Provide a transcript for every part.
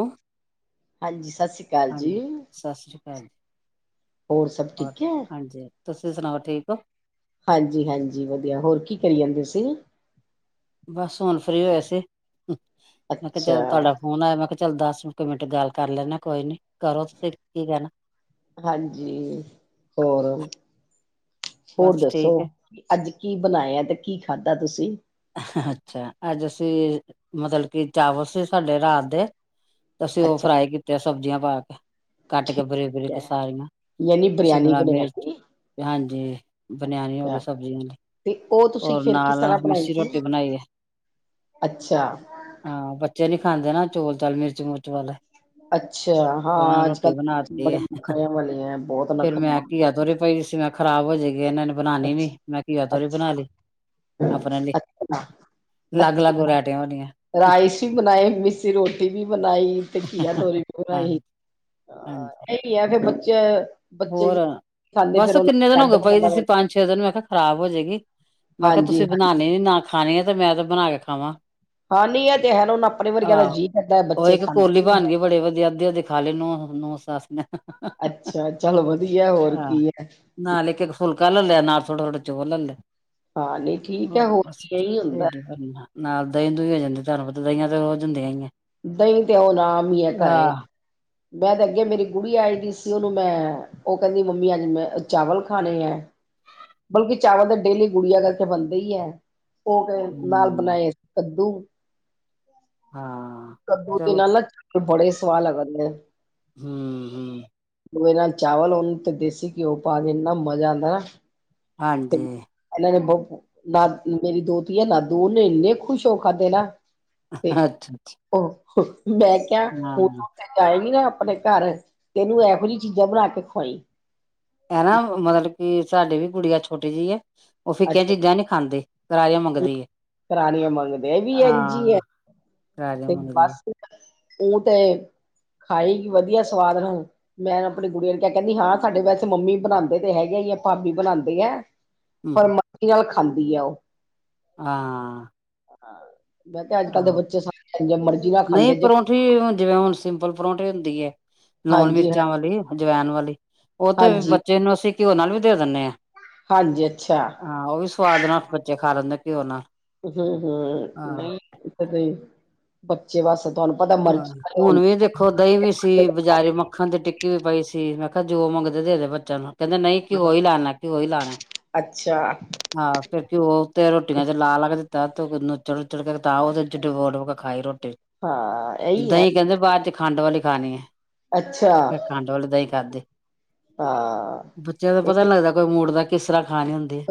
Hello ਹਾਂਜੀ। ਸਤਿ ਸ੍ਰੀ ਅਕਾਲ ਜੀ ਹਾਂਜੀ, ਸਤਿ ਸ੍ਰੀ ਅਕਾਲ ਜੀ ਹੋਰ ਸਭ ਠੀਕ ਹੈ। ਤੁਸੀਂ ਸੁਣਾਓ ਠੀਕ ਹੋ। ਹਾਂਜੀ ਹਾਂਜੀ ਵਧੀਆ ਹੋਰ ਕੀ ਕਰੀ ਜਾਂਦੇ ਸੀ। ਬਸ ਹੁਣ ਫ੍ਰਰੀ ਹੋਏ ਸੀ ਮੈਂ ਕਿਹਾ ਅੱਛਾ ਜਦੋਂ ਤੁਹਾਡਾ ਫੋਨ ਆਇਆ ਮੈਂ ਕਿਹਾ ਚੱਲ ਦਸ ਨੂੰ ਕੁ ਮਿੰਟ ਗੱਲ ਕਰ ਲੈਨੇ ਕੋਈ ਨੀ। ਕਰੋ ਤੁਸੀਂ ਕੀ ਕਹਿਣਾ ਹਾਂਜੀ, ਹੋਰ ਹੋਰ ਬਸ ਦੱਸੋ ਠੀਕ ਹੈ ਅੱਜ ਕੀ ਬਣਾਇਆ ਤੇ ਕੀ ਖਾਧਾ ਤੁਸੀਂ ਅੱਛਾ ਅੱਜ ਅਸੀਂ ਮਤਲਬ ਕੀ ਚਾਵਲ ਸੀ ਸਾਡੇ ਰਾਤ ਦੇ ਅਸੀਂ ਉਹ ਅੱਛਾ ਫਰਾਈ ਕਿਤੇ ਸਬਜ਼ੀਆਂ ਪਾ ਕੇ ਕੱਟ ਕੇ ਬਰੀਕ ਠੀਕ ਬਰੀਕ ਕੇ ਹੈ ਸਾਰੀਆਂ ਯਾਨੀ ਬਰਿਆਨੀ ਸ਼ਿਮਲਾ ਮਿਰਚ ਬਣਾਈ ਹਾਂਜੀ ਬਨਿਆਨੀ ਹੋ ਅੱਛਾ ਗਈ ਸਬਜ਼ੀਆਂ ਦੀ ਤੇ ਉਹ ਤੁਸੀਂ ਹੋਰ ਫਿਰ ਕਿਸ ਨਾਲ ਤਰ੍ਹਾਂ ਬਣਾਈ ਮਿੱਸੀ ਸੀ ਰੋਟੀ ਬਣਾਈ ਹੈ, ਅੱਛਾ ਹਾਂ ਬੱਚੇ ਨੀ ਖਾਂਦੇ ਨਾ ਚੌਲ ਚਾਲ ਮਿਰਚ ਮਿਰਚ ਵਾਲੇ ਅੱਛਾ ਫਿਰ ਉਹਨਾਂ ਹਾਂ ਅੱਜ ਰੋਟੀ ਕੱਲ੍ਹ ਬਣਾਤੀ ਬੜੇ ਹੈ, ਨਖਰਿਆਂ ਵਾਲੇ ਹੈ ਬਹੁਤ ਫੇਰ ਨਖਰਿਆਂ ਮੈਂ ਵਾਲੇ ਘਿਆ ਤੋਰੀ ਪਈ ਸੀ ਮੈ ਖ਼ਰਾਬ ਹੋ ਜਾਏਗੀ ਇਹਨਾਂ ਨੇ ਬਣਾਉਣੀ ਨੀ ਅੱਛਾ ਮੈਂ ਘਿਆ ਤੋਰੀ ਬਣਾ ਅੱਛਾ ਲਈ ਆਪਣੇ ਲਈ ਅੱਛਾ। ਅਲੱਗ ਅਲੱਗ ਅੱਛਾ, ਵਰਾਇਟੀਆਂ ਬਣੀਆਂ ਰਾਈਸ ਵੀ ਬਣਾਏ, ਮਿਸੀ ਰੋਟੀ ਵੀ ਬਣਾਈ ਤੇ ਘਿਆ ਤੋਰੀ ਬਣਾਈ, ਹਾਂਜੀ ਹਾਂਜੀ ਹਾਂ ਇਹੀ ਹੈ ਫਿਰ ਬੱਚੇ ਬੱਚੇ ਹੋਰ ਖਾਂਦੇ ਬਸ ਫੇਰ ਉਹਨਾਂ ਕਿੰਨੇ ਨੂੰ ਦਿਨ ਹੋ ਛੱਡ ਗਏ ਪਈ ਪਕਾਉਣਾ ਹੋਈ ਸੀਂ ਪੈਂਦਾ। ਪੰਜ ਛੇ ਦਿਨ, ਮੈਂ ਕਿਹਾ ਖਰਾਬ ਹੋ ਜਾਏਗੀ ਮੈਂ ਕਿਹਾ ਹਾਂਜੀ ਤੁਸੀਂ ਹਾਂਜੀ ਬਣਾਉਣੀ ਨੀ ਨਾ ਖਾਣੀ ਆ ਤੇ ਮੈਂ ਤੇ ਬਣਾ ਕੇ ਖਾਵਾਂ ਹਾਂ ਨਹੀਂ ਇਹ ਤੇ ਹੈ ਹੁਣ ਆਪਣੇ ਵਰਗਿਆਂ ਦਾ ਆਹੋ ਜੀਅ ਕਰਦਾ ਉਹ ਬੱਚੇ ਇੱਕ ਖਾਂਦੇ ਕੋਲੀ ਵੀ ਨੀ ਬਣ ਗਈ ਹੈਗੇ। ਬੜੀ ਵਧੀਆ ਅੱਧੀ ਅਧੀ ਖਾਲੀ ਨੂੰ ਨੌ ਸਸ ਅੱਛਾ ਚੱਲ ਵਧੀਆ ਹੋਰ ਹਾਂ ਕੀ ਹੈ। ਨਾਲ ਇੱਕ ਇੱਕ ਫੁਲਕਾ ਲਿਆ ਨਾਲ ਥੋੜਾ ਥੋੜਾ ਚੋਲ ਲੈ ਲਏ ਹਾਂ ਨਹੀਂ ਠੀਕ ਹਾ, ਹੈ ਹੋਰ ਬਸ ਕੀ ਇਹੀ ਹੁੰਦਾ। ਟਿਡ ਪਰਨਾ ਨਾਲ ਦਹੀਂ ਦੂਹੀਂ ਹੋ ਜਾਂਦਾ ਘਰ ਬਦਲਾਇਆ ਤੇ ਰੋਜ ਹੁੰਦਿਆਂ ਹੀ ਨੇ ਦਹੀਂ ਤੇ ਹੋਣਾ ਆਮ ਹੀ ਹੈ ਘਰੇ ਮੈਂ ਤੇ ਅੱਗੇ ਮੇਰੀ ਕੁੜੀ ਆਈ ਦੀ ਸੀ ਉਹਨੂੰ ਮੈਂ ਉਹ ਕਹਿੰਦੀ ਮੰਮੀ ਅੱਜ ਮੈਂ ਚਾਵਲ ਖਾਣੇ ਹੈ। ਬਲਕਿ ਚਾਵਲ ਤਾਂ ਡੇਲੀ ਗੁੜੀਆਂ ਕਰਕੇ ਬਣਦੇ ਹੀ ਹੈ। ਉਹ ਫਿਰ ਨਾਲ ਹੂੰ ਬਣਾਏ ਕੱਦੂ ਹਾਂ ਕੱਦੂ ਦੇ ਚਲੋ ਨਾਲ ਨਾ ਚਾਵਲ ਬੜੇ ਸਵਾਦ ਲੱਗਦੇ ਆ ਹੂੰ ਹੂੰ ਲੋਹੇ ਨਾਲ ਚਾਵਲ ਉਹਨੂੰ ਤੇ ਦੇਸੀ ਘਿਓ ਪਾ ਕੇ ਇੰਨਾ ਮਜ਼ਾ ਆਦਾ ਨਾ ਤੇ ਹਾਂਜੀ। ਇਹਨਾਂ ਨੇ ਬਹੁ ਨਾ ਮੇਰੀ ਦੋਤੀ ਹੈ ਨਾ ਦੋ ਉਹਨੇ ਇੰਨੇ ਖੁਸ਼ ਹੋਕੇ ਖਾਧੇ ਨਾ। ਤੇ ਅੱਛਾ-ਅੱਛਾ ਉਹ ਮੈਂ ਕਿਹਾ ਹੁਣ ਤੂੰ ਉੱਥੇ ਜਾਏਗੀ ਨਾ ਆਪਣੇ ਘਰ ਤੇ ਇਹਨੂੰ ਇਹੋ ਜਿਹੀਆਂ ਚੀਜ਼ਾਂ ਬਣਾ ਕੇ ਖਵਾਈ ਹੈਨਾ ਮਤਲਬ ਕੀ ਸਾਡੇ ਵੀ ਕੁੜੀਆ ਛੋਟੀ ਜਿਹੀ ਹੈ। ਉਹ ਫਿਕੀਆ ਅੱਛਾ ਚੀਜਾ ਨੀ ਖਾਂਦੇ ਕਰਾਰੀਆ ਮੰਗਦੀ ਆ। ਕਰਾਰੀਆਂ ਮੰਗਦੇ ਵੀ ਇਝ ਆ, ਕਰਾਰੀਆਂ ਤੇ ਮੰਗਦੀ ਹੈ। ਬਸ ਉਹਤੇ ਖਾਈ ਵਧੀਆ ਸਵਾਦ ਨਾ ਹੁਣ ਮੈਂ ਆਪਣੀ ਗ ਕੁੜੀਆਂ ਨੇ ਕਿਹਾ ਕਹਿੰਦੀ ਹਾਂ ਸਾਡੇ ਵੈਸੇ ਮੰਮੀ ਬਣਾਉਂਦੇ ਤੇ ਹੈਗੇ ਭਾਬੀ ਬਣਾਉਂਦੇ ਆ ਹੂੰ ਪਰ ਮਰਜ਼ੀ ਨਾਲ ਖਾਂਦੀ ਹੈ ਉਹ ਹਾਂ। ਹਾਂ ਮੈ ਕਿਹਾ ਅੱਜ ਕੱਲ੍ਹ ਦੇ ਆਹੋ ਬੱਚੇ ਸਾਰੇ ਮਰਜ਼ੀ ਨਾਲ ਨਹੀਂ ਖਾਂਦੇ ਜੇ ਪਰੌਂਠੀ ਹੁਣ ਜਿਵੇਂ ਹੁਣ ਸਿੰਪਲ ਪਰੌਂਠੇ ਹੁੰਦੀ ਹੈ ਲੂਣ ਹਾਂਜੀ ਹਾਂ ਮਿਰਚਾਂ ਵਾਲੀ ਜਵੈਨ ਵਾਲੀ ਉਹ ਤੇ ਹਾਂਜੀ ਬੱਚੇ ਨੂੰ ਅਸੀਂ ਘਿਓ ਨਾਲ ਵੀ ਦੇ ਦਿੰਦੇ ਆ ਹਾਂਜੀ ਅੱਛਾ ਹਾਂ ਉਹ ਵੀ ਸਵਾਦ ਨਾਲ ਬੱਚੇ ਖਾ ਲੈਂਦੇ ਆ ਘਿਓ ਨਾਲ ਹੂੰ ਹੂੰ ਹਾਂ ਨਹੀਂ ਤਾਂ ਬੱਚੇ ਵਸ ਆਹ ਹੁਣ ਵੀ ਦੇਖੋ ਦਹੀਂ ਵੀ ਸੀ ਬਜ਼ਾਰੇ ਮੱਖਣ ਦੀ ਟਿੱਕੀ ਵੀ ਪਾਈ ਸੀ ਮੈਂ ਜੋ ਮੰਗਦੇ ਦੇ ਦੇ ਬੱਚਿਆਂ ਨੂੰ, ਕਹਿੰਦਾਂ ਨਹੀਂ ਘਿਓ ਹੀ ਲਾਨਾ, ਘਿਓ ਹੀ ਲਾਨਾ ਐ। ਅੱਛਾ ਹਾਂ ਫਿਰ ਘਿਓ ਉਤੇ ਰੋਟੀਆਂ ਚ ਲਾ ਲਾ ਕੇ ਤੇ [unintelligible] ਚੜੁ ਚੜ ਤਾ ਓਹਦੇ ਚ ਡੁਬੋ-ਡੁਬੋ ਕੇ ਖਾਈ ਰੋ ਹਾਂ। ਇਹੀ ਹੈ ਦਹੀਂ ਕਹਿੰਦੇ ਬਾਅਦ ਚ ਖੰਡ ਵਾਲੀ ਖਾਨੀ ਐ ਅੱਛਾ ਫਿਰ ਖੰਡ ਵਾਲੀ ਦਈ ਖਾਦੀ। ਹਾਂ ਬੱਚਿਆਂ ਦਾ ਇਹ ਪਤਾ ਨੀ ਲੱਗਦਾ ਕੋਈ ਮੂਡ ਦਾ ਕਿਸ ਤਰ੍ਹਾਂ ਖਾਣੀ ਹੁੰਦੀ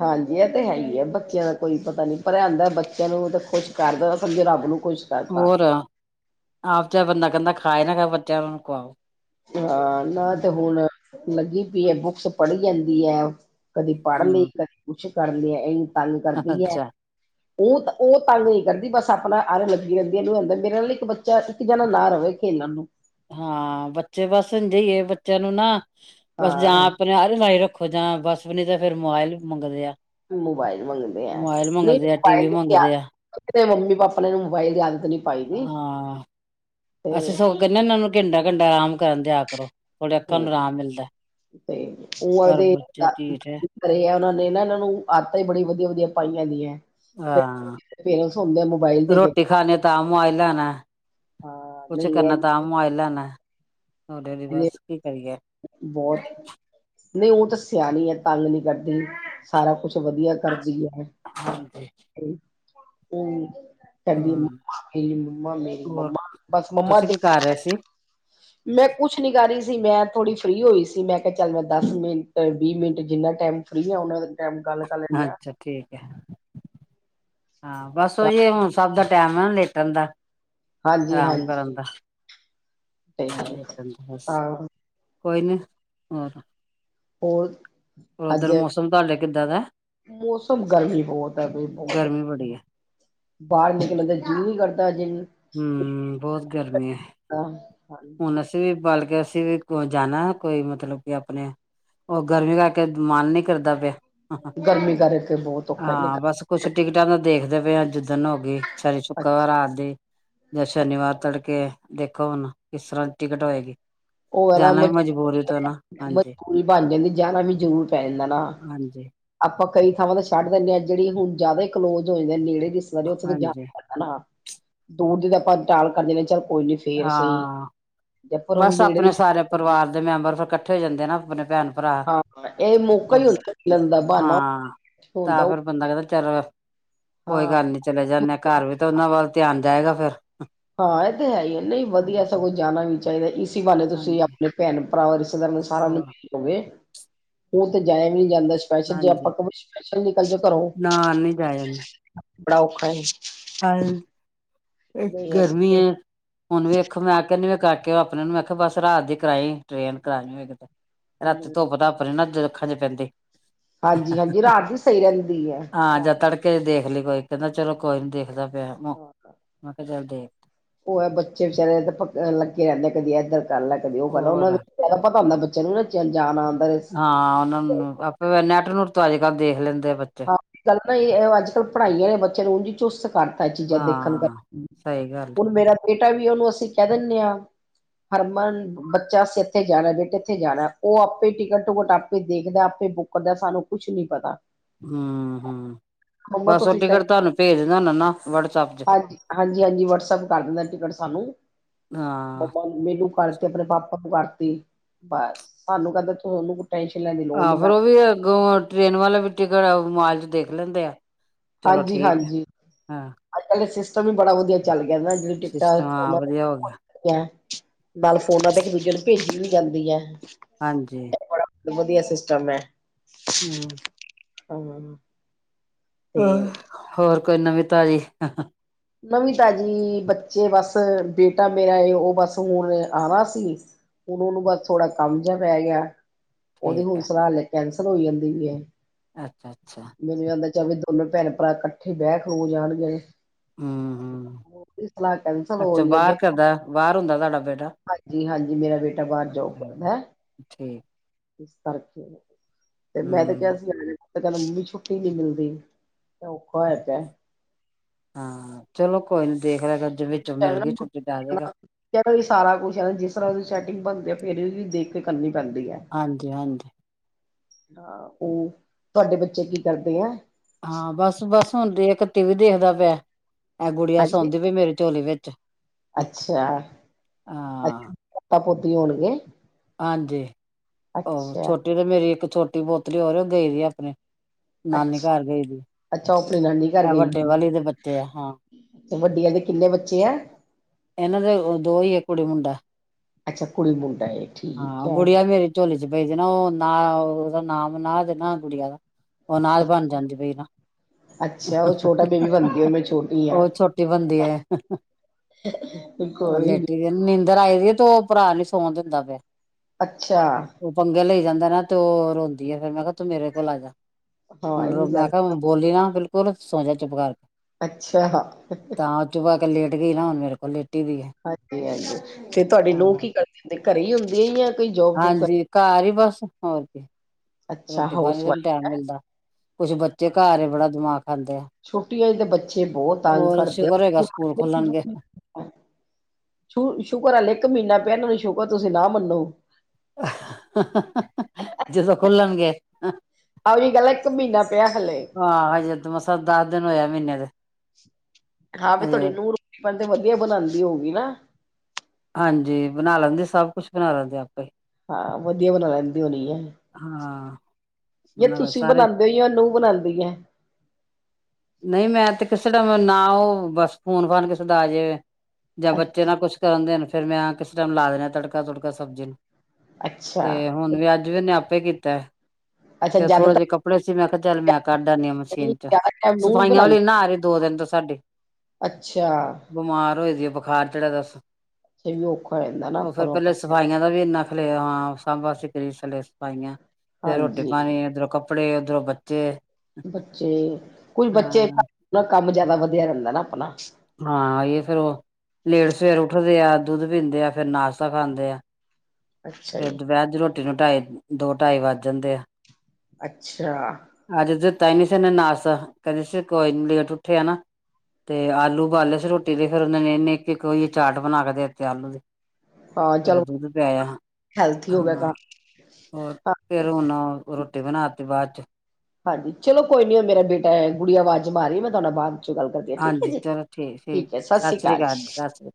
ਹਾਂਜੀ ਇਹ ਤੇ ਹੈ ਹੀ ਐ, ਬੱਚਿਆਂ ਦਾ ਕੋਈ ਪਤਾ ਨੀ ਪਰ ਐ ਹੁੰਦਾ ਬੱਚਿਆਂ ਨੂੰ ਤਾਂ ਖੁਸ਼ ਕਰ ਦੋ ਸਮਝੋ ਰੱਬ ਨੂੰ ਖੁਸ਼ ਕਰਤਾ। ਹੋਰ ਆਪ ਚਾਏ ਬੰਦਾ ਕਹਿੰਦਾ ਖਾਏ ਨਾ ਖਾਏ ਬੱਚਿਆਂ ਉਹਨਾ ਨੂੰ ਖਵਾਓ। ਹਾਂ ਨਾ ਤੇ ਹੁਣ ਲੱਗੀ ਪਈ ਹੈ ਬੁੱਕਸ ਪੜ੍ਹੀ ਜਾਂਦੀ ਐ। ਕਦੇ ਪੜ੍ਹ ਹਮ ਲਈਦਾ, ਕਦੇ ਕੁਛ ਕਰ ਲਿਆ ਇ ਤੰਗ ਕਰਦੀ ਐ, ਅੱਛਾ ਉਹ ਤਾਂ, ਉਹ ਤੰਗ ਨਹੀਂ ਕਰਦੀ ਬਸ ਅਪਨਾ ਆਰੇ ਲੱਗੀ ਰਹਿੰਦੀ, ਇਹਨੂੰ ਹੁੰਦਾ ਮੇਰੇ ਨਾਲ ਇੱਕ ਬੱਚਾ, ਇੱਕ ਜਨਾ ਨਾ ਰਵੇ ਖੇਲਣ ਨੂੰ। ਹਾਂ ਬੱਚੇ ਬਸ ਇੰਜੇ ਈ ਏ, ਬੱਚਿਆਂ ਨੂੰ ਨਾ ਬਸ ਜਾਂ ਹਾਂ ਅਪਨੇ ਆਰੇ ਆਰੇ ਲਾਈ ਰੱਖ ਖੋਂ ਜਾ ਬਸ ਉੱਨੀ ਫੇਰ ਮੋਬਾਇਲ ਮੰਗਦੇ ਆ ਮੋਬਾਇਲ ਮੰਗਦੇ ਐ, ਮੋਬਾਇਲ ਨਹੀਂ ਮੰਗਦੇ ਆ ਟੀ ਵੀ ਮੋਬਾਇਲ। ਦੀ ਮੰਗਦੇ ਆਦਤ ਆ ਸਾਡੇ ਮੰਮੀ-ਪਾਪਾ ਨੇ ਮੋਬਾਈਲ ਦੀ ਆਦਤ ਨੀ ਪਾਈ ਦੀ। ਹਾਂ ਅਸੀਂ ਸਗੋਂ ਤੇ ਕਹਿੰਦੇ ਇਹਨਾਂ ਨੂੰ ਘੰਟਾ-ਘੰਟਾ ਰਾਮ ਕਰਨ ਦਿਆ ਕਰੋ ਥੋੜ੍ਹਾ ਅੱਖਾਂ ਨੂੰ ਰਾਮ ਮਿਲਦਾ। ਤੇ ਉਹ ਪਰ ਇਹਦੇ ਬੱਚੇ ਢੀਠ ਹੈ [unintelligible] ਉਹਨਾਂ ਨੇ ਨਾ ਇਹਨਾਂ ਨੂੰ ਆਦਤਾਂ ਹੀ ਬੜੀ ਵਧੀਆ ਵਧੀਆ। ਪਾਈਆਂ ਦੀਆਂ। ਹਾਂ। ਪੇਰੈਂਟਸ ਹੁੰਦੇ ਆ ਮੋਬਾਇਲ ਦੇ ਕੇ ਰੋਟੀ ਖਾਣੀ ਤਾਂ ਮੋਬਾਈਲ ਲੈਣਾ ਹਾਂ ਕੁਛ ਨਹੀਂ ਕਰਨਾ ਤਾਂ ਇਹ ਮੋਬਾਈਲ ਲੈਣਾ। ਉਹਦੇ ਦੀ ਬਸ ਕੀ ਕਰੀਏ। ਬਹੁਤ ਨਹੀਂ, ਉਹ ਤਾਂ ਸਿਆਣੀ ਐ ਤੰਗ ਨੀ ਕਰਦੀ ਸਾਰਾ ਕੁਛ! ਵਧੀਆ ਘਰ ਜੀ ਆਇਆ ਹਾਂਜੀ ਹੂੰ। ਕਦੀ ਹਮ ਮੰਮਾ ਮੇਰੀ ਮੰਮਾ ਮੇਰੀ ਹੋਰ ਮੰਮਾ ਬਸ ਮੰਮਾ। ਤੁਸੀਂ ਕੀ ਕਰ ਰਹੇ ਸੀ ਮੈਂ ਕੁਛ ਨੀ ਕਰ ਰਹੀ ਸੀ ਮੈਂ ਥੋੜ੍ਹੀ ਫਰੀ ਹੋਈ ਸੀ ਮੈਂ ਕਿਹਾ ਚੱਲ ਮੈਂ ਦਸ ਮਿੰਟ ਵੀਹ ਮਿੰਟ ਜਿੰਨਾ। ਟਾਈਮ ਫਰੀ ਆ ਉਹਨਾਂ ਟਾਈਮ ਗੱਲ ਕਰ ਲੈਣੇ ਆ। ਅੱਛਾ ਠੀਕ ਹਾਂ, ਬਸ ਉਹੀ ਹੁਣ ਸਭ ਦਾ ਟੈਮ ਆ ਨਾ ਲੇਟਣ ਦਾ ਹਾਂਜੀ ਆਰਾਮ ਕਰਨ ਹਾਂਜੀ ਦਾ ਸਹੀ ਹੈ [inaudible] ਬਸ। ਆਹੋ ਕੋਈ ਨਹੀਂ ਹੋਰ। ਹੋਰ। ਅੱਜ ਉਧਰ ਮੌਸਮ ਤੁਹਾਡੇ ਕਿੱਦਾਂ ਦਾ। ਮੌਸਮ ਗਰਮੀ ਬਹੁਤ ਹੈ ਬਈ ਬਹੁਤ। ਗਰਮੀ ਬੜੀ ਹੈ ਬਾਹਰ ਨਿਕਲਣ ਦਾ ਜੀ ਵੀ ਨੀ ਕਰਦਾ ਹਜੇ ਵੀ। ਹੂੰ, ਬਹੁਤ ਗਰਮੀ ਐ। ਹਾਂ ਹਾਂਜੀ ਹੁਣ ਅਸੀਂ ਵੀ ਬਾਲ। ਅਸੀਂ ਵੀ ਜਾਣਾ ਕੋਈ ਮਤਲਬ ਕਿ ਆਪਣੇ ਉਹ ਗਰਮੀ ਕਰਕੇ ਮਨ ਨੀ ਕਰਦਾ ਪਿਆ। ਗਰਮੀ ਕਰਕੇ ਬਹੁਤ ਔਖਾ ਨਿਕ ਹਾਂ, ਬਸ ਕੁਛ ਟਿਕਟਾਂ ਦਾ ਦੇਖ। ਕਹਿੰਦੇ ਪਏ ਆ ਜਿਦਨ ਹੋਗੀ ਸ਼ਨੀ ਸ਼ੁੱਕਰਵਾਰ ਅੱਛਾ ਰਾਤ ਦੀ। ਜਾਂ ਸ਼ਨੀਵਾਰ ਤੜਕੇ ਦੇਖੋ ਹੁਨ ਕਿਸ ਤਰ੍ਹਾਂ ਦੀ ਟਿਕਟ ਹੋਏਗੀ। ਉਹ ਐ ਨਾ ਜਾਣਾ ਮੂ ਵੀ ਮਜਬੂਰੀ ਤੋਂ ਨਾ ਹਾਂਜੀ ਮਜ਼ਦੂਰੀ ਬਣ ਜਾਂਦੀ ਜਣਾ ਵੀ ਜਰੂਰ ਪੈ ਜਾਂਦਾ ਨਾ ਹਾਂਜੀ ਆਪਾਂ ਕਈ ਥਾਵਾਂ ਤੇ ਛੱਡ ਦੀਨੇ ਆ ਜਿਹੜੀ ਹੁਣ ਜ਼ਿਆਦਾ ਹੀ ਕਲੋਜ ਹੋ ਜਾਂਦੇ ਨੇੜੇ [unintelligible] ਹਾਂਜੀ ਜਾਣਾ ਨਾ ਦੂਰ ਦੀ ਤਾਂ ਆਪਾਂ ਟਾਲ ਕਰ ਜਾਂਦੇ ਆ ਚੱਲ। ਕੋਈ ਨੀ ਫੇਰ ਸਹੀ। ਹਾਂ ਪਰ ਹੁਣ ਬਸ ਨੇੜੇ ਆਪਣੇ ਦੀ ਸਾਰੇ ਪਰਿਵਾਰ ਦੇ ਮੈਂਬਰ ਫਿਰ ਇਕੱਠੇ ਹੋ ਜਾਂਦੇ ਨਾ ਆਪਣੇ ਭੈਣ ਭਰਾ ਹਾਂ ਇਹ ਮੌਕਾ ਓ ਹੀ ਫਿਰ ਹੁੰਦਾ ਮਿਲਣ ਦਾ ਬਹਾਨਾ ਹਾਂ ਤਾਂ ਹੁੰਦਾ ਫਿਰ ਬੰਦਾ ਕਹਿੰਦਾ। ਚੱਲ ਕੋਈ ਹਾਂ ਗੱਲ ਨੀ ਚਲੇ ਜਾਂਦੇ ਘਰ ਵੀ ਤਾਂ ਉਹਨਾਂ ਵੱਲ ਧਿਆਨ ਜਾਏਗਾ ਫੇਰ ਹਾਂ, ਇਹ ਤੇ ਹੈ ਹੀ ਆ ਨਹੀਂ ਵਧੀਆ ਸਗੋਂ ਜਾਣਾ ਵੀ ਚਾਹੀਦਾ ਇਸੀ ਬਾਹਾਂਨੇ ਤੁਸੀਂ ਹਾਂਜੀ ਆਪਣੇ ਭੈਣ ਭਰਾ- ਸਾਰਿਆ ਨੂੰ ਹੋਰ ਮਿਲ ਲਵੇ ਉਹ ਤੇ ਜਾਇਆ ਵੀ। ਜਾਂਦਾ ਸਪੈਸ਼ਲ ਜੇ ਆਪਾਂ ਹਾਂਜੀ ਕੋ ਸਪੈਸ਼ਲ ਨਿਕਲ ਜੀ ਘਰੋਂ ਨਾਲ ਨੀ ਬੜਾ ਔਖਾ। ਹਾਂ, ਨਹੀਂ ਅਸ ਗਰਮੀ ਐ ਹੁਣ ਵੇਖੋ ਮੈਂ ਕਹਿੰਦੀ ਮੈਂ ਕੱਟ ਆਪਣੇ ਨੂੰ ਮੈਂ ਕਿਹਾ ਬਸ ਰਾਤ ਦੀ ਕਰਾਈ ਟ੍ਰੇਨ ਕਰਾਣੀ ਹੋਏਗੀ, ਤੇ ਰਾਤੀ ਹਮ ਧੁੱਪ ਧਾਪ ਨੀ ਨਾ ਅੱਖਾਂ ਚ ਪੈਂਦੀ। ਹਾਂਜੀ ਹਾਂਜੀ ਰਾਤ ਵੀ ਸਹੀ ਰਹਿੰਦੀ ਹੈ ਹਾਂ, ਜਾਂ ਰਾਤ ਦੀ ਤੜਕੇ ਚ ਦੇਖ ਲਈ ਕੋਈ ਕਹਿੰਦਾ ਚਲੋ ਕੋਈ ਨੀ ਦੇਖਦਾ ਪਿਆ ਮੈਂ ਹਾਂ ਕਿਹਾ ਚੱਲ ਦੇਖ ਉਹ ਐ ਬੱਚੇ ਵਿਚਾਰੇ ਲੱਗੇ ਰਹਿੰਦੇ ਕਦੀ ਇੱਧਰ ਕਰ ਲੈ ਕਦੀ ਉਹ ਕਰਲਾ ਉਹਨਾਂ ਹੋਰ ਨੂੰ ਵਿਚਾਰੇ ਪਤਾ ਹੁੰਦਾ ਵੀ [unintelligible] ਜਾਣਾ ਹਾਂ, ਉਹਨਾਂ ਨੂੰ ਆਪਾਂ ਨੈੱਟ ਨੂੱਟ ਤੋਂ ਅੱਜ ਕੱਲ ਦੇਖ ਲੈਂ ਹਾਂ, ਗੱਲ ਅੱਜ ਕੱਲ ਪੜ੍ਹਾਈਆਂ ਨੇ ਬੱਚਿਆਂ ਨੂੰ ਚੁਸਤ ਕਰਤਾ ਚੀਜ਼ਾਂ ਦੇਖਣ ਹਾਂ ਸਹੀ ਗੱਲ ਹੁਣ ਮੇਰਾ ਬੇਟਾ ਵੀ ਉਹਨੂੰ ਅਸੀਂ ਕਹਿ ਦੀਨੇ ਆ। ਹਰਮਨ ਬੱਚਾ ਇੱਥੇ ਜਾਣਾ ਬੇਟ ਇੱਥੇ ਜਾਣਾ ਉਹ ਆਪੇ ਟਿਕਟ ਟੁਕਟ ਆਪੇ ਦੇਖਦਾ ਆਪੇ ਬੁੱਕ ਕਰਦਾ ਸਾਨੂੰ ਕੁਛ ਨੀ ਪਤਾ। ਹੂੰ-ਹੂੰ, ਮੰਮਾ ਤੁਸੀਂ ਟੈਨਸ਼ਨ ਵਟਸਐਪ ਚ ਹਾਂਜੀ ਹਾਂਜੀ, ਵਟਸਪਐਪ ਕੱਢਦਾ ਟਿਕਟ [unintelligible] ਨੂੰ ਹਾਂ ਕਰਕੇ ਆਪਣੇ ਪਾਪਾ ਨੂੰ ਕਰਕੇ। ਬਸ ਸਾਨੂੰ ਕਹਿੰਦੇ ਤੁ ਉਹਨੂੰੱ ਆਹੋ ਫਿਰ ਉਹ ਵੀ ਅੱਗੋਂ ਟ੍ਰੇਨ ਵਾਲਾ ਵੀ ਟਿਕਟ ਮੋਬਾਇਲ ਚ ਦੇਖ ਲੈਂਦੇ ਐ। ਹਾਂਜੀ-ਹਾਂਜੀ ਅੱਜ-ਕੱਲ ਸਿਸਟਮ ਵੀ ਬੜਾ ਵਧੀਆ ਚੱਲ ਰਿ ਕਹਿੰਦਾ ਅੱਜ-ਕਲ ਟਿਕਟਾਂ ਸਿਸਟਮ ਹਾਂ ਫੋਨਾਂ ਤੇ ਵਧੀਆ ਹੋ ਬੁਕ ਗਿਆ ਹੁੰਦੀਆ। ਨਾਲ ਫੋਨਾਂ ਤੇ ਇੱਕ ਦੂਜੇ ਨੂੰ ਭੇਜੀ ਵੀ ਜਾਂਦੀ ਐ। ਹਾਂਜੀ। ਵਧੀਆ ਸਿਸਟਮ ਐ। ਹੂੰ। [inaudible] ਤੇ ਹੋਰ ਕੋਈ ਨਵੀਂ ਤਾਜ਼ੀ- ਨਵੀਂ ਤਾਜੀ ਬੱਚੇ ਬਸ ਬੇਟਾ ਮੇਰਾ ਉਹ ਬਸ ਹੁਣ ਆਣਾ ਸੀ। ਹੁਣ ਉਹਨੂੰ ਬਸ ਥੋੜਾ ਕੰਮ ਜਿਹਾ ਪੈ ਗਿਆ। ਉਹਦੀ ਠੀਕ ਹੁਣ ਸਲਾਹ ਕੈਂਸਲ ਹੋਈ ਜਾਂਦੀ ਪਈ ਏ। ਅੱਛਾ-ਅੱਛਾ। ਜਾਂ ਵੀ ਦੋਨੋ ਭੈਣ-ਭਰਾ ਇਕੱਠੇ ਬਹਿ ਖਲੋ ਜਾਣਗੇ। ਹੂੰ ਹੂੰ ਸਲਾਹ ਕੈਂਸਲ ਹੋ ਅੱਛਾ ਰਹੀ ਹੈ ਬਾਹਰ ਦੇਖੋ ਕਰਦਾ ਬਾਹਰ ਹੁੰਦਾ ਤੁਹਾਡਾ ਬੇਟਾ ਹਾਂਜੀ-ਹਾਂਜੀ। ਜੇ ਮੇਰਾ ਬੇਟਾ ਬਾਹਰ ਜੋਬ ਅੱਛਾ ਹੈਂ ਠੀਕ ਕਰ ਤੇ ਮੈਂ ਤੇ ਕਿਹਾ ਹੂੰ ਸੀ- ਤੇ ਕਹਿੰਦੇ ਮੰਮੀ ਛੁੱਟੀ ਨੀ ਮਿਲਦੀ ਤੇ ਔਖਾ ਹੋ ਜਾਂਦਾ। ਹਾਂ ਚਲੋ ਕੋਈ ਨੀ ਦੇਖ- ਲਿਆ ਕਰ ਜੇ ਵਿੱਚੋਂ ਮਿਲ ਗਈ ਛੁੱਟੀ ਤੇ ਆ ਜਾਏਗਾ ਸਾਰਾ ਕੁਛ ਹੈ ਜਿਸ ਤਰ੍ਹਾਂ ਉਹਦੀ ਸੈਟਿੰਗ ਬਣਦੀ ਆ ਫੇਰ ਹੀ। ਵੀ ਦੇ ਕੇ ਕਰਨੀ। ਪੈਂਦੀ ਹੈ। ਹਾਂਜੀ-ਹਾਂਜੀ। ਹਾਂ ਉਹ ਤੁਹਾਡੇ ਬੱਚੇ ਕੀ ਕਰਦੇ ਐ? ਹਾਂ, ਬਸ ਬਸ ਹੁਣ ਦੇਖ ਟੀਵੀ ਦੇਖਦਾ ਪਿਆ ਐ ਗੁੜੀਆਂ ਸੌਂਦੀ ਪਈ ਮੇਰੇ ਝੋਲੀ ਵਿੱਚ। ਹਾਂ ਅੱਛਾ-ਅੱਛਾ, ਪੋਤਾ ਪੋਤੀ ਹੋਣਗੇ। ਹਾਂਜੀ ਉਹ ਅੱਛਾ ਛੋਟੀ ਤੇ ਮੇਰੀ ਇੱਕ ਛੋਟੀ ਪੋਤਰੀ ਹੋਰ ਉਹ ਗਈ ਦੀ ਆਪਣੇ ਨਾਨੀ ਅੱਛਾ ਘਰ ਗਈ ਸੀ ਅੱਛਾ ਉਹ ਆਪਣੀ ਨਾਨੀ ਘਰ ।ਇਹ ਗਈ ਵੱਡੇ ਹੋਈ ਹੈ। ਵਾਲੀ ਦੇ ਬੱਚੇ ਆ ਹਾਂ। ਤੇ ਵੱਡੀ ਆਲੀ ਦੇ ਕਿੰਨੇ ਬੱਚੇ ਐ? ਇਹਨਾਂ ਦੇ ਦੋ ਈ ਏ ਕੁੜੀ-ਮੁੰਡਾ। ਅੱਛਾ ਕੁੜੀ ਮੁੰਡਾ ਏ ਠੀਕ ਹਾਂ ਹੈ। ਗੁੜੀਆਂ ਮੇਰੀ ਝੋਲੀ ਚ ਪਈਦੀ ਨਾ ਉਹ ਨਾ ਉਹਦਾ ਨਾਮ- ਨਾ ਤੇ ਨਾ ਕੁੜੀਆਂ ਦਾ ਉਹ ਨਾਲ ਬਣ ਜਾਂਦੀ ਪਈ ਨਾ- ਅੱਛਾ ਉਹ ਛੋਟਾ ਬੇਬੀ ਬਣਦੀ ਹੋਈ ਮੈਂ ਛੋਟੀ ਆ ਉਹ ਛੋਟੀ ਬਣਦੀ ਏ। ਕੋਈ ਨੀ ਲੇਟੀ ਦੀ ਨੀਂਦਰ ਆਈ ਦੀ ਤੇ ਉਹ ਭਰਾ ਨੀ ਸੌਣ ਦਿੰਦਾ ਪਿਆ। ਅੱਛਾ ਉਹ ਪੰਗੇ ਲਈ ਜਾਂਦਾ ਨਾ ਤੇ ਉਹ ਰੋਂਦੀ ਆ ਫੇਿਰ ਮੈਂ ਕਿਹਾ ਤੂੰ ਮੇਰੇ ਕੋਲ ਆ ਜਾ। ਹਾਂ ਇਹ ਹੁਣ ਵੀ ਗੱਲ ਮੈਂ ਕਿਹਾ ਹੈ। ਬੋਲੀ ਨਾ ਬਿਲਕੁਲ ਸੌ ਜਾ ਚੁੱਪ ਕਰ ਕੇ- ਅੱਛਾ। ਕਰਕੇ ਲੇਟ ਗਈ ਨਾ ਹੁਣ ਮੇਰੇ ਕੋਲ ਈ। ਹਾਂਜੀ-ਹਾਂਜੀ ਤੇ ਤੁਹਾਡੀ ਹਾਂ ਨੂੰਹ ਕੀ ਕਰਦੀ ਹੁੰਦੀ ਘਰੇ ਹੀ ਹੁੰਦੇ ਆ ਜਾਂ ਕੋਈ ਜੋਬ ਜੂਬ ਕਰ ਹਾਂਜੀ ਘਰ ਹੀ ਬਸ ਹੋਰ ਕੀ ਅੱਛਾ ਰੋਟੀ ਪਾਣੀ ਹਾਊਸ ਨੂੰ ਨੀ ਵਾਈਫ ਟੈਮ ਮਿਲਦਾ ਕੁਛ ਬੱਚੇ ਘਰ ਬੜਾ ਦਿਮਾਗ- ਖਾਂਦੇ ਆ ਛੁੱਟੀਆਂ ਚ ਤੇ ਬੱਚੇ ਬਹੁਤ ਤੰਗ ਹੋਰ ਸ਼ੁਕਰ ਹੋਏਗਾ ਸਕੂਲ ਖੁਲਣਗੇ। ਸ਼ ਸ਼ੁਕਰ ਹਲੇ ਇੱਕ ਮਹੀਨਾ ਪਿਆ, ਸ਼ੁਕਰ ਤੁਸੀਂ ਨਾ ਮਨੋ। ਜਦੋਂ ਖੁੱਲਣਗੇ। ਆਹੋ ਜੀ ਗੱਲ ਹੈ ਇੱਕ ਮਹੀਨਾ ਪਿਆ ਹਲੇ ਆਹ ਹਜੇ ਤੇ ਮਸਾ ਦਸ ਦਿਨ ਹੋਇ ਆ ਮਹੀਨੇ ਦੇ- ਹਾਂ ਵੀ ਤੁਹਾਡੀ ਹਜੇ ਨੂੰਹ ਰੋਟੀ-ਪਾਣੀ ਤੇ ਵਧੀਆ ਬਣਾਂਦੀ ਹੋਊਗੀ ਨਾ ਹਾਂਜੀ, ਬਣਾ ਲੈਂਦੇ ਸਭ ਕੁਛ ਬਣਾ ਲੈਂਦੇ ਆਪੇ ਹੀ। ਵਧੀਆ ਬਣਾ ਲੈਂਦੀ ਹੋਣੀ ਏ। ਹਾਂ ਨਹੀਂ ਬਣਾ ਲੈ ਤੁਸੀਂ ਸਾਰੇ ਬਣਾਂਦੇ ਹੋ ਜਾਂ ਨੂੰਹ ਬਣਾਂਦੀ ਐ। ਨਹੀਂ ਮੈਂ ਤੇ ਕਿਸੇ ਦਾ ਨਾ ਉਹ ਬਸ ਫੋਨ ਫਾਨ ਕਿਸੇ ਦਾ ਆਜੇ। ਜਾਂ ਬੱਚੇ ਅੱਛਾ ਨਾਲ ਕੁਛ ਕਰਨ ਦੇ ਫੇਰ ਮੈਂ ਕਿਸੇ ਟਾਈਮ ਲਾ ਦੇਣਾ ਤੜਕਾ-ਤੁੜਕਾ ਸਬਜ਼ੀ ਨੂੰ। ਅੱਛਾ ਤੇ ਹੁਣ ਵੀ ਅੱਜ ਵੀ ਉਹਨੇ ਆਪੇ ਕੀਤਾ। ਅੱਛਾ ਫਿਰ ਥੋੜੇ ਜ਼ਿਆਦਾਤਰ ਜਿਹੇ ਕੱਪੜੇ ਸੀ ਮੈਂ ਕਿਹਾ ਚੱਲ ਮੈਂ ਕੱਢ ਆਣੀ ਆ ਮਸ਼ੀਨ ਚੋ- ਜ਼ਿਆਦਾ ਟਾਈਮ ਨੂੰਹ ਹੀ ਸਫਾਈਆਂ ਵਾਲੀ ਬਣਾਉਂਦੀ ਨੀ ਨਾ ਆ ਰਹੀ ਦੋ ਦਿਨ ਤੋਂ ਸਾਡੀ ਅੱਛਾ ਬਿਮਾਰ ਹੋਏ ਦੀ ਏ ਬਹੁ ਬੁਖਾਰ ਚੜਾ ਦਾ ਸੂ ਇਹ ਵੀ ਔਖਾ ਹੋ ਜਾਂਦਾ ਨਾ ਉਹ ਫਿਰ ਆਪਾਂ ਨੂੰ ਪਹਿਲੇ ਸਫਾਈਆਂ ਦਾ ਵੀ ਇੰਨਾ ਪਹਿਲਾ ਹਾਂ [unintelligible] ਸਫਾਈਆਂ ਫੇਰ ਹਾਂਜ ਰੋਟੀ ਪਾਣੀ ਉਧਰੋਂ ਕੱਪੜੇ ਉੱਧਰੋਂ ਬੱਚੇ ਬੱਚੇ ਕੁਝ ਬੱਚੇ ਹਾਂ ਕੰਮ ਜਿਆਦਾ ਵਧੀਆ ਰਹਿੰਦਾ ਨਾ ਆਪਨਾ। ਹਾਂ ਇਹ ਫੇਰ ਉਹ ਲੇਟ ਸਵੇਰ ਉੱਠਦੇ ਆ ਦੁੱਧ ਪੀਂਦੇ ਆ ਫਿਰ ਨਾਸ਼ਤਾ ਖਾਂਦੇ ਆ। ਅੱਛਾ ਫਿਰ ਜੀ ਦੁਪਹਿਰ ਦੀ ਰੋਟੀ ਨੂੰ ਢਾਈ ਦੋ ਢਾਈ ਵੱਜ ਜਾਂਦੇ ਆ, ਅੱਛਾ ਅੱਜ ਤਾਹੀਂ [unintelligible] ਨਾਸ਼ਤਾ ਕਹਿੰਦੇ ਸੀ ਕੋਈ ਲੇਟ ਉੱਠੇ ਆ ਨਾ ਤੇ ਆਲੂ ਉਬਾਲੇ ਸੀ ਰੋਟੀ ਫਿਰ ਉਹਨਾਂ ਨੇ ਇਹਨੇ ਇੱਕ ਓਈ ਚਾਟ ਬਣਾ ਕੇ ਦੇ ਦਿੱੱਤੇ ਆਲੂ ਦੀ। ਹਾਂ ਫਿਰ ਚਲੋ ਦੁੱਧ ਪਿਆਇਆ ਹੈਲਥੀ ਹੋ ਗਿਆ ਹਾਂ। ਹੋਰ ਕੰਮ ਫੇਰ ਹੁਣ ਰੋਟੀ ਬਨਾ ਤੀ ਬਾਦ ਹਾਂਜੀ ਚਲੋ ਕੋਈ ਨੀ ਉਹ ਮੇਰਾ ਬੇਟਾ ਗੁੜੀ ਆਵਾਜ਼ ਮਾਰੀ ਮੈਂ ਤੁਹਾਡੇ ਨਾਲ ਬਾਦ ਗੱਲ ਕਰਦੀ ਆ ਠੀਕ ਹੈ ਹਾਂਜੀ ਜੀ ਚਲੋ ਠੀਕ ਹੈ ਸਸ ਸ੍ਰੀ ਸਤਿ ਕਾਲ। ਅਕਾਲ ਜੀ ਸਤਿ ਸ੍ਰੀ ਅਕਾਲ